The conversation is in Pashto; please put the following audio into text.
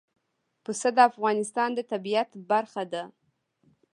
پسه د افغانستان د طبیعت برخه ده.